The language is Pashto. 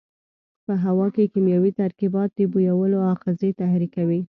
په هوا کې کیمیاوي ترکیبات د بویولو آخذې تحریکوي.